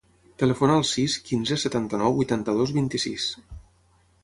Telefona al sis, quinze, setanta-nou, vuitanta-dos, vint-i-sis.